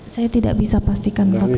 saya tidak bisa pastikan waktu